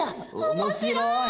面白い！